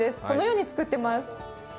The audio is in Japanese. このように作ってます。